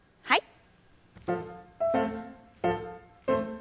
はい。